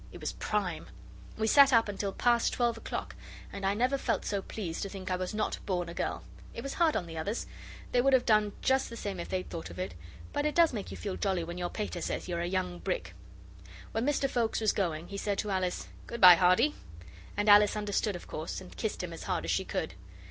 It was prime. We sat up till past twelve o'clock, and I never felt so pleased to think I was not born a girl. It was hard on the others; they would have done just the same if they'd thought of it. But it does make you feel jolly when your pater says you're a young brick! When Mr Foulkes was going, he said to Alice, 'Good bye, Hardy.' And Alice understood, of course, and kissed him as hard as she could.